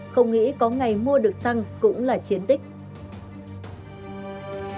không nghĩ có ngày mua được xăng cũng là chiến tích